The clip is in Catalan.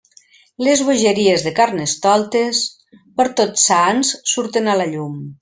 Les bogeries de Carnestoltes, per Tots Sants surten a la llum.